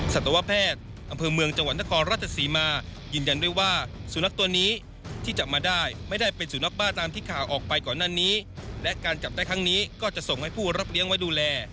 สัตวแพทย์อำเภอเมืองจังหวัดนครราชศรีมายืนยันด้วยว่าสุนัขตัวนี้ที่จับมาได้ไม่ได้เป็นสุนัขบ้าตามที่ข่าวออกไปก่อนหน้านี้และการจับได้ครั้งนี้ก็จะส่งให้ผู้รับเลี้ยงไว้ดูแล